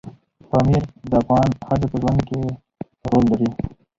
پامیر د افغان ښځو په ژوند کې رول لري.